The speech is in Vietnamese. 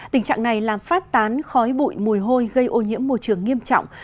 tình trạng này làm phát tán khói bụi mùi hôi gây ô nhiễm môi trường nghiêm trọng